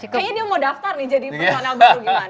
kayaknya dia mau daftar nih jadi personal baru gimana